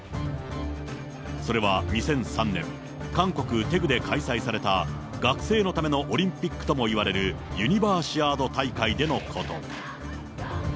それは２００３年、韓国・テグで開催された学生のためのオリンピックともいわれるユニバーシアード大会でのこと。